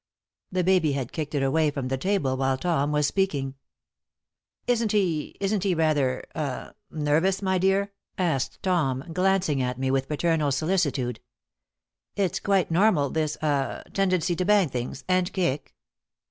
The baby had kicked it away from the table while Tom was speaking. "Isn't he isn't he rather ah nervous, my dear?" asked Tom, glancing at me with paternal solicitude. "It's quite normal, this ah tendency to bang things and kick?"